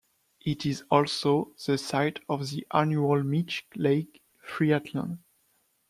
It is also the site of the annual Meech Lake Triathlon.